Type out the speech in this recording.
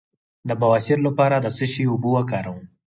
د بواسیر لپاره د څه شي اوبه وکاروم؟